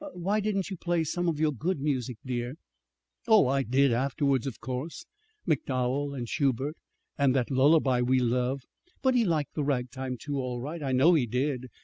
"Why didn't you play some of your good music, dear?" "Oh, I did, afterwards, of course, MacDowell and Schubert, and that lullaby we love. But he liked the ragtime, too, all right. I know he did.